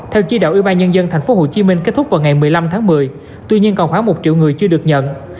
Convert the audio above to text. theo chỉ đạo y tế tp hcm kết thúc vào ngày một mươi năm tháng một mươi tuy nhiên còn khoảng một triệu người chưa được nhận